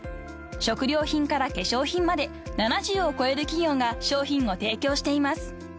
［食料品から化粧品まで７０を超える企業が商品を提供しています］